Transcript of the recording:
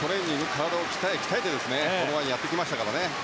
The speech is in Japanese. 体を鍛えに鍛えてこれまでやってきましたからね。